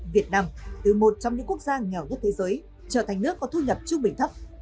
việt nam từ một trong những quốc gia nghèo nhất thế giới trở thành nước có thu nhập trung bình thấp